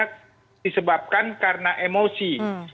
karena disebabkan karena emosi